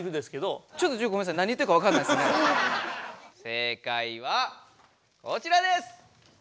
正解はこちらです！